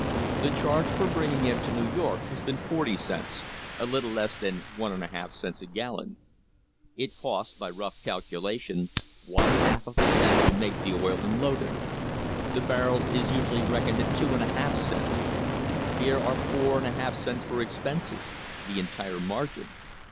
The charge for bringing it to New York has been forty cents, a little less than one and a half cents a gallon. It costs, by rough calculation, one half a cent to make the oil and load it. The barrel is usually reck oned at two and a half cents. Here are four and a half cents for expenses the entire margin.